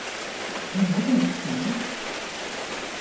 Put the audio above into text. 你唔好聽日先黎？